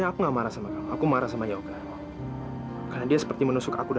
jangan mawar kamu gak usah keluar ibu takut kamu